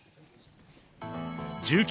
１９